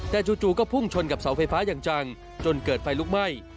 แต่จู่ก็พุ่งชนกับเสาไฟฟ้าอย่างจังจนเกิดไฟลุกไหม้